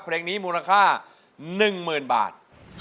เพลงนี้มูลค่า๑๐๐๐บาท